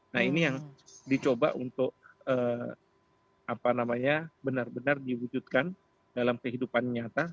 nah ini yang dicoba untuk benar benar diwujudkan dalam kehidupan nyata